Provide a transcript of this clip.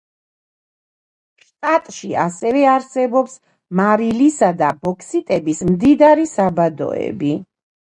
შტატში ასევე არსებობს მარილის და ბოქსიტების მდიდარი საბადოები.